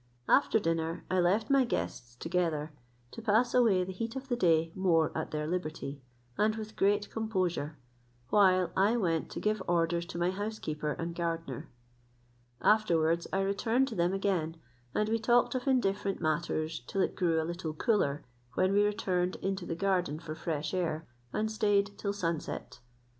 After dinner, I left my guests together, to pass away the heat of the day more at their liberty, and with great composure, while I went to give orders to my housekeeper and gardener, Afterwards I returned to them again, and we talked of indifferent matters till it grew a little cooler; when we returned into the garden for fresh air, and stayed till sun set.